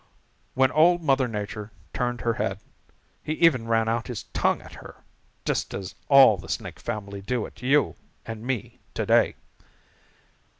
When Old Mother Nature turned her head, he even ran out his tongue at her, just as all the Snake family do at you and me to day.